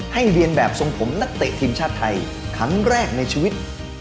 เรียนแบบทรงผมนักเตะทีมชาติไทยครั้งแรกในชีวิต